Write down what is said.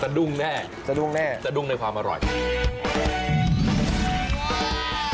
สะดุ้งแน่ะสะดุ้งในความอร่อยแน่ะ